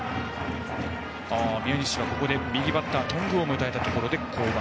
宮西はここで右バッター頓宮を迎えたところで降板。